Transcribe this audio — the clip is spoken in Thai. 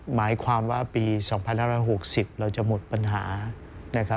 หมายความว่าปี๒๕๖๐เราจะหมดปัญหานะครับ